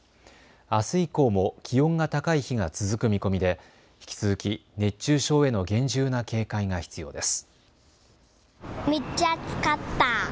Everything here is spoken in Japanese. あす以降も気温が高い日が続く見込みで引き続き熱中症への厳重な警戒が必要です。